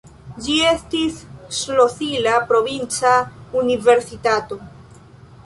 Ĝi estis ŝlosila provinca universitato.